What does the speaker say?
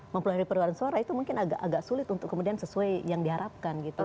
mempelai perluan suara itu mungkin agak sulit untuk kemudian sesuai yang diharapkan gitu